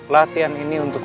latihan ini untuk